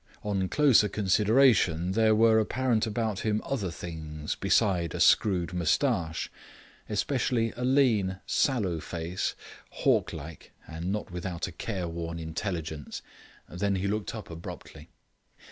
On closer consideration, there were apparent about him other things beside a screwed moustache, especially a lean, sallow face, hawk like, and not without a careworn intelligence. Then he looked up abruptly.